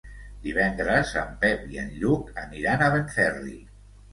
Divendres en Pep i en Lluc aniran a Benferri.